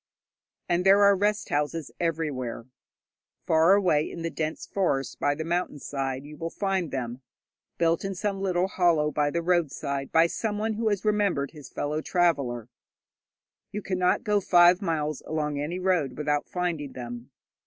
And there are rest houses everywhere. Far away in the dense forests by the mountain side you will find them, built in some little hollow by the roadside by someone who remembered his fellow traveller. You cannot go five miles along any road without finding them.